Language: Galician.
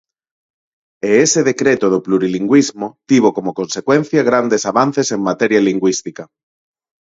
E ese decreto do plurilingüismo tivo como consecuencia grandes avances en materia lingüística.